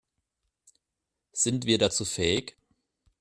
Sind wir dazu fähig?